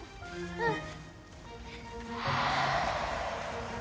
うん。